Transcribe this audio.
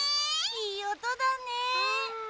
いいおとだね。